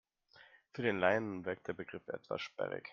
Für den Laien wirkt der Begriff etwas sperrig.